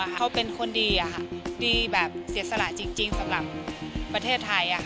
เขาเป็นคนดีดีแบบเสียสละจริงสำหรับประเทศไทย